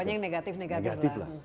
banyak yang negatif negatif lah